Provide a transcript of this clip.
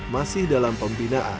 masih dalam pembinaan